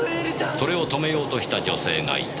それを止めようとした女性がいた。